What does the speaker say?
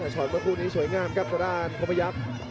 ช้อนเมื่อคู่นี้โชยงามครับตัวด้านโคมยักษ์